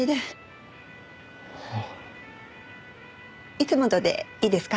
いつものでいいですか？